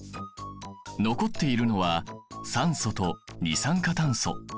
残っているのは酸素と二酸化炭素。